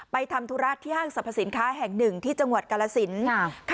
ทำธุระที่ห้างสรรพสินค้าแห่งหนึ่งที่จังหวัดกาลสิน